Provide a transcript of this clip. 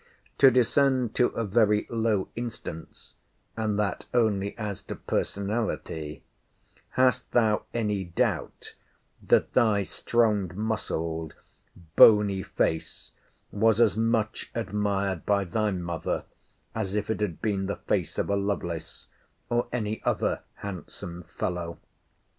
To descend to a very low instance, and that only as to personality; hast thou any doubt, that thy strong muscled bony faced was as much admired by thy mother, as if it had been the face of a Lovelace, or any other handsome fellow?